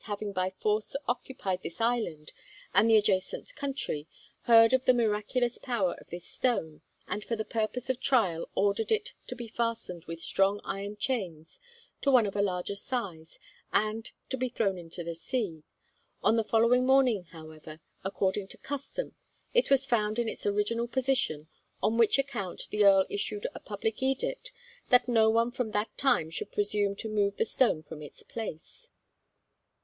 having by force occupied this island and the adjacent country, heard of the miraculous power of this stone, and for the purpose of trial ordered it to be fastened with strong iron chains to one of a larger size and to be thrown into the sea; on the following morning, however, according to custom, it was found in its original position, on which account the Earl issued a public edict that no one from that time should presume to move the stone from its place.